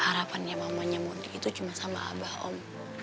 harapannya mamanya mudik itu cuma sama abah om